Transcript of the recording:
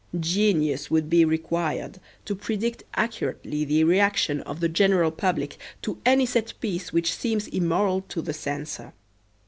Genius would be required to predict accurately the reaction of the general public to any set piece which seems immoral to the censor.